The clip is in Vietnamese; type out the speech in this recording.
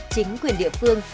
chính quyền địa phương